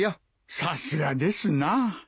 さすがですなあ。